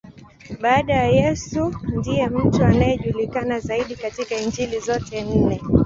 Baada ya Yesu, ndiye mtu anayejulikana zaidi katika Injili zote nne.